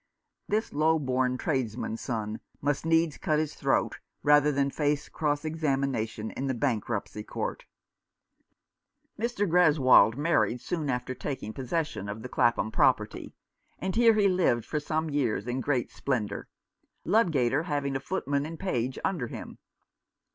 This low born trades man's son must needs cut his throat, rather than face cross examination in the Bankruptcy Court. Mr. Greswold married soon after taking posses sion of the Clapham property, and here he lived for some years in great splendour, Ludgater having a footman and page under him.